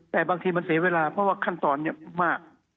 แต่บางทีมันเสียเวลาเพราะว่าขั้นตอนมาก